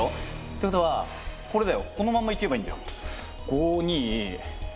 ってことはこれだよこのまんま行けばいいんだよ。